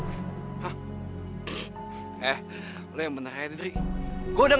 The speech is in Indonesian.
terima kasih tuhan